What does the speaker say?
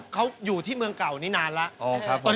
เขาอยู่ที่เมืองเก่านี้นานแล้ว